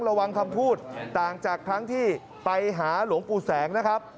ระวังคำพูดต่างจากครั้งที่ไปหาหลวงปู่แสงนะครับ